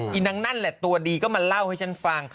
นางนั่นแหละตัวดีก็มาเล่าให้ฉันฟัง